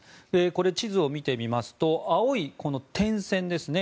これ、地図を見てみますと青い点線ですね